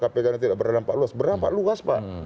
kpk ini tidak beranapak luas beranapak luas pak